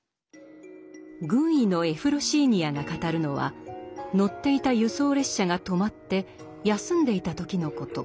軍医のエフロシーニヤが語るのは乗っていた輸送列車が止まって休んでいた時のこと。